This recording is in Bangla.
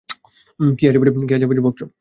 কী আজেবাজে বকছো।